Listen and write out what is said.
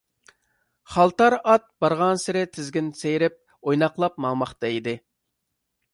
خالتار ئات بارغانسېرى تىزگىن سىيرىپ، ئويناقلاپ ماڭماقتا ئىدى.